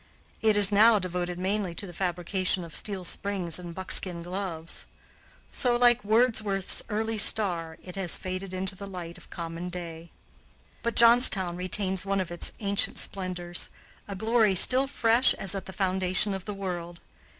It is now devoted mainly to the fabrication of steel springs and buckskin gloves. So, like Wordsworth's early star, it has faded into the light of common day. But Johnstown retains one of its ancient splendors a glory still fresh as at the foundation of the world.